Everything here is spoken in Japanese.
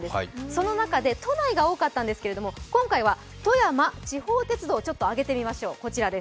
その中で都内が多かったんですけども今回は富山地方鉄道をちょっと上げてみましょう。